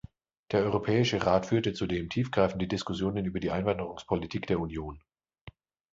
Der Europäische Rat führte zudem tief greifende Diskussionen über die Einwanderungspolitik der Union.